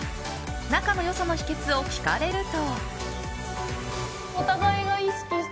仲の良さの秘訣を聞かれると。